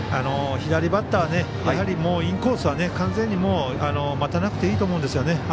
左バッターはやはりインコースは完全に待たなくていいと思うんですよね。